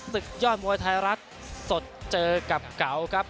ศึกยอดมวยไทยรัฐสดเจอกับเก๋าครับ